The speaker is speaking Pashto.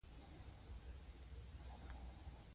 د الله رضا د مخلوق د خدمت په منځ کې ده.